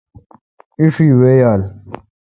ایشی وی یال۔